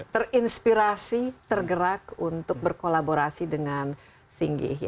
terinspirasi tergerak untuk berkolaborasi dengan singgih